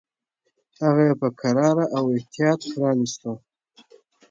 هغه یې په کراره او احتیاط پرانیستو.